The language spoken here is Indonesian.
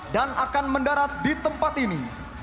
dan akan mendarat di tempat ini